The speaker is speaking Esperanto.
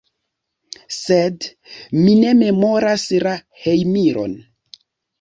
Sed mi ne memoras la hejmiron.